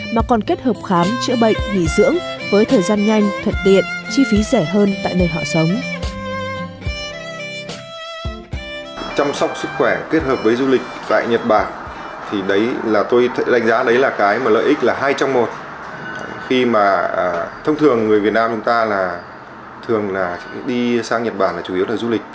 mà còn kết hợp khám chữa bệnh nghỉ dưỡng với thời gian nhanh thuận tiện chi phí rẻ hơn tại nơi họ sống